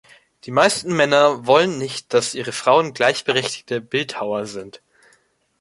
Die meisten Männer wollen nicht, dass ihre Frauen gleichberechtigte Bildhauer sind.